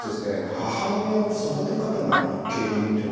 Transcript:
「母親の育て方が原因」っていうのは。